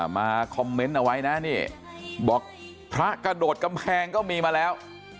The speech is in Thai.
มาคอมเมนต์เอาไว้นะนี่บอกพระกระโดดกำแพงก็มีมาแล้ว